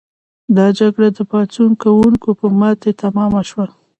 دا جګړه د پاڅون کوونکو په ماتې تمامه شوه.